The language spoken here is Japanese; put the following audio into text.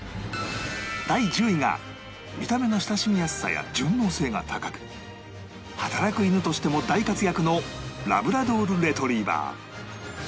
第１０位が見た目の親しみやすさや順応性が高く働く犬としても大活躍のラブラドール・レトリーバー